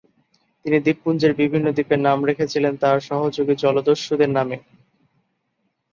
তিনি দ্বীপপুঞ্জের বিভিন্ন দ্বীপের নাম রেখেছিলেন তার সহযোগী জলদস্যুদের নামে।